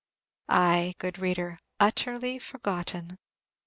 Ay, good reader, utterly forgotten!